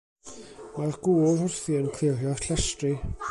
Mae'r gŵr wrthi yn clirio'r llestri.